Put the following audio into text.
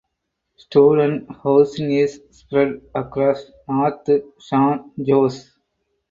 Student housing is spread across North San Jose.